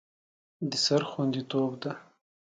د سر خوندیتوب ده.